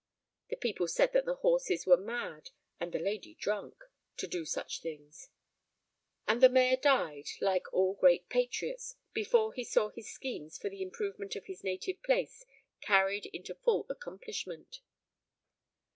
The people said that the horses were mad and the lady drunk, to do such things; and the mayor died, like all great patriots, before he saw his schemes for the improvement of his native place carried into full accomplishment.